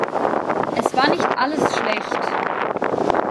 Es war nicht alles schlecht.